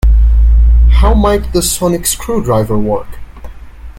How might the sonic screwdriver work?